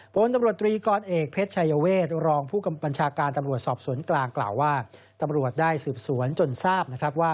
โปรนตำรวจตรีกรอดเอกเพชรชัยเวทรองผู้บัญชาการตำรวจสอบสวนกลางกล่าวว่า